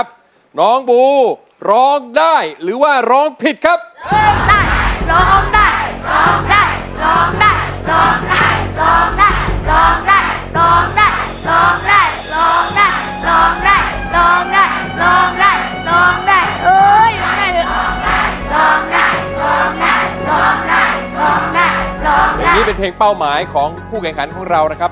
เป็นแรงงานถูกกฎราคา